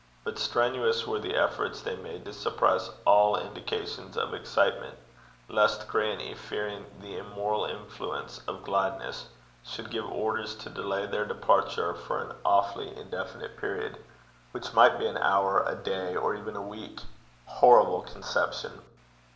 But strenuous were the efforts they made to suppress all indications of excitement, lest grannie, fearing the immoral influence of gladness, should give orders to delay their departure for an awfully indefinite period, which might be an hour, a day, or even a week. Horrible conception!